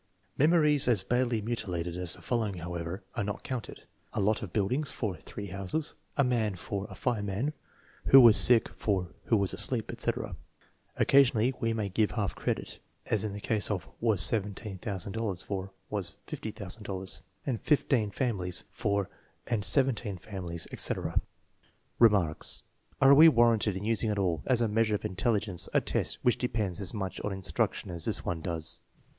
Memories as badly mutilated as the following, however, are not counted: " A lot of buildings "for " three houses; "" a man " for " a fireman ";" who was sick " for " who was asleep "; etc. Occasionally we may give half credit, as in the case of " was seventeen thousand dollars " for "was fifty thousand dollars ";" and fifteen families " for " and seventeen families," etc. Remarks. Are we warranted in using at all as a measure of intelligence a test which depends as much on instruc tion as this one does